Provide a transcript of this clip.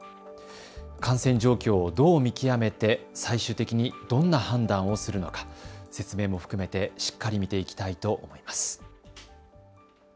感染状況をどう見極めて最終的にどんな判断をするのか、説明も含めてしっかり見ていきたいと思います。